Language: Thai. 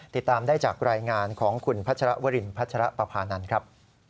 ติดตามได้จากรายงานของคุณพัชรวรินพัชรปภานันทร์ครับ